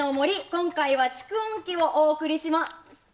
今回は蓄音機をお送りしま。